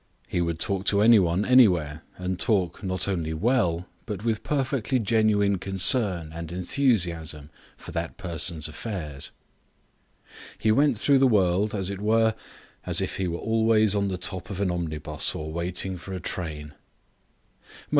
He would talk to any one anywhere, and talk not only well but with perfectly genuine concern and enthusiasm for that person's affairs. He went through the world, as it were, as if he were always on the top of an omnibus or waiting for a train.